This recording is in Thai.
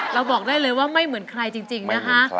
บอกได้เลยว่าไม่เหมือนใครจริงนะคะ